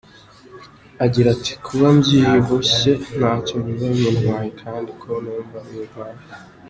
agira ati "kuba mbyibushye ntacyo bibintwaye kandi ko numva bimpaye.